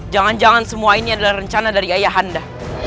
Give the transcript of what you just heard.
jangan jangan semua ini adalah rencana dari ayah anda